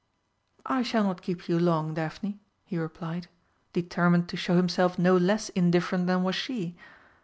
"I shall not keep you long, Daphne," he replied, determined to show himself no less indifferent than was she.